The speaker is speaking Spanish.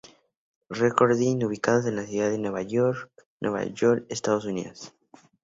Recording, ubicados en la ciudad de Nueva York, Nueva York, Estados Unidos.